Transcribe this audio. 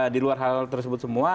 di luar hal tersebut semua